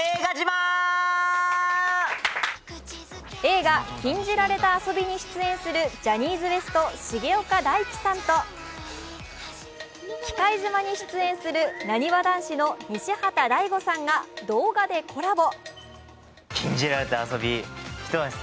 映画「禁じられた遊び」に出演するジャニーズＷＥＳＴ・重岡大毅さんと「忌怪島／きかいじま」に出演するなにわ男子の西畑大吾さんが動画でコラボ。